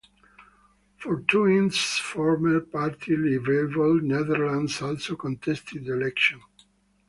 Fortuyn's former party Livable Netherlands also contested the election.